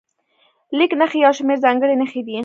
لیک نښې یو شمېر ځانګړې نښې دي.